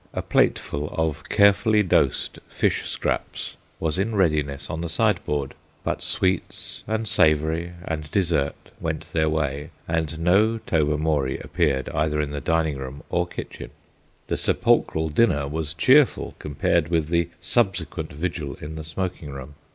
A plateful of carefully dosed fish scraps was in readiness on the sideboard, but sweets and savoury and dessert went their way, and no Tobermory appeared either in the dining room or kitchen. The sepulchral dinner was cheerful compared with the subsequent vigil in the smoking room.